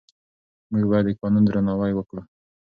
موږ باید د قانون درناوی وکړو.